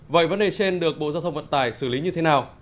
vậy vấn đề trên được bộ giao thông vận tải xử lý như thế nào